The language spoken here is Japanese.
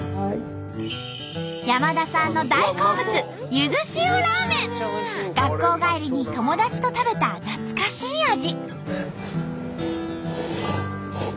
山田さんの学校帰りに友達と食べた懐かしい味。